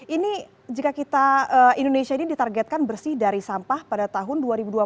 ini jika kita indonesia ini ditargetkan bersih dari sampah pada tahun dua ribu dua puluh